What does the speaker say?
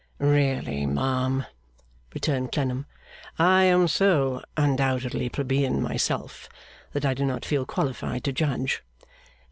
'Really, ma'am,' returned Clennam, 'I am so undoubtedly plebeian myself, that I do not feel qualified to judge.